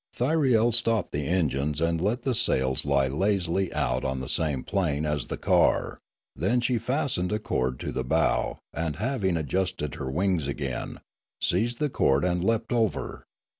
Thyriel stopped the engines and let the sails lie lazily out on the same plane as the car, then she fastened a cord to the bow and, having adjusted her wings again, seized the cord and leapt over.